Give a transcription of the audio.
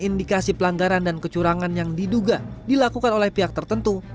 indikasi pelanggaran dan kecurangan yang diduga dilakukan oleh pihak tertentu